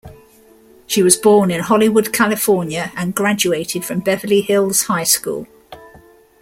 She was born in Hollywood, California and graduated from Beverly Hills High School.